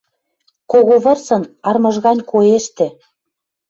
Кого вырсын армыж гань коэштӹ